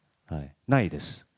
ないです。